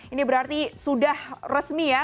ini berarti sudah resmi ya